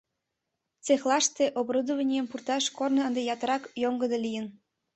Цехлашке оборудованийым пурташ корно ынде ятырак йоҥгыдо лийын.